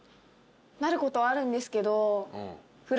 なることはあるんですけど。